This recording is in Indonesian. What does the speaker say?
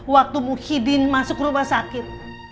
waktu muhyiddin masuk rumah sakit